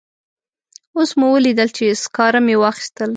اوس مو ولیدل چې سکاره مې واخیستل.